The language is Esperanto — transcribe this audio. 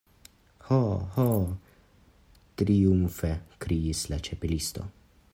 "Ho, ho!" triumfe kriis la Ĉapelisto.